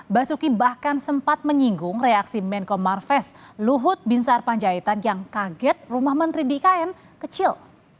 basuki bahkan sempat menyinggung reaksi menko marves luhut binsar panjaitan yang kaget rumah menteri di ikn kecil